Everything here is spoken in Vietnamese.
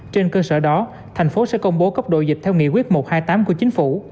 trên cơ sở đó thành phố sẽ công bố cấp độ dịch theo nghị quyết một trăm hai mươi tám của chính phủ